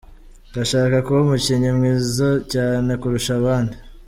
Ndashaka kuba umukinnyi mwiza cyane kurusha abandi.